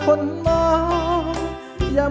จริง